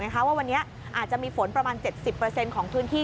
ว่าวันนี้อาจจะมีฝนประมาณ๗๐ของพื้นที่